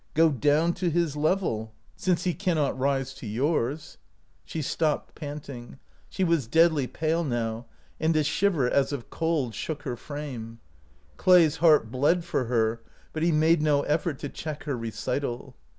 Go down to his level, since he cannot rise to 103 OUT OF BOHEMIA yours.'" She stopped, panting. She was deadly pale now, and a shiver as of cold shook her frame. Clay's heart bled for her, but he made no effort to check her recital.